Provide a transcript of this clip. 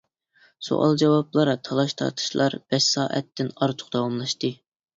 سوئال-جاۋابلار، تالاش-تارتىشلار بەش سائەتتىن ئارتۇق داۋاملاشتى.